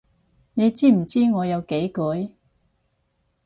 你知唔知我有幾攰？